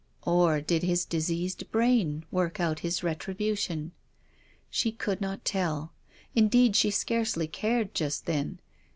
or did his diseased brain work out his retribution ? She could not tell. Indeed she scarcely cared just then.